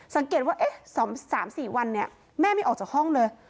สังเกตว่า๓๔วันเนี่ยแม่ไม่ออกจากห้องเลย